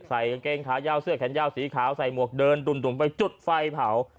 ใส่เก่งขาเยาเสื้อแขนเยาสีขาวใส่ลวกเดินดุนดุนไปจุดไฟเผา